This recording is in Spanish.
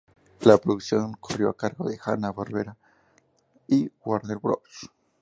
La producción corrió a cargo de Hanna-Barbera y Warner Bros.